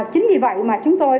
chính vì vậy mà chúng tôi